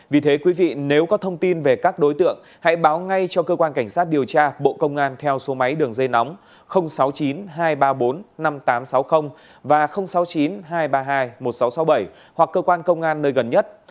vì thế quý vị nếu có thông tin về các đối tượng hãy báo ngay cho cơ quan cảnh sát điều tra bộ công an theo số máy đường dây nóng sáu mươi chín hai trăm ba mươi bốn năm nghìn tám trăm sáu mươi và sáu mươi chín hai trăm ba mươi hai một nghìn sáu trăm sáu mươi bảy hoặc cơ quan công an nơi gần nhất